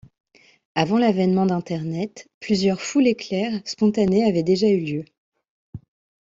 Avant l’avènement d’Internet, plusieurs foules éclair spontanées avaient déjà eu lieu.